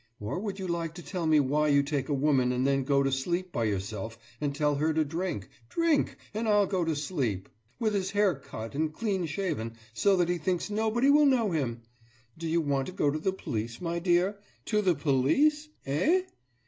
Or would you like to tell me why you take a woman and then go to sleep by yourself and tell her to drink 'Drink, and I'll go to sleep!' With his hair cut and clean shaven, so that he thinks nobody will know him! Do you want to go to the police, my dear? To the police, eh?